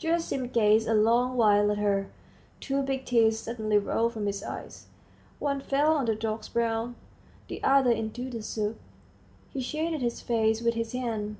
Gerasim gazed a long while at her; two big tears suddenly rolled from his eyes; one fell on the dog's brow, the other into the soup. He shaded his face with his hand.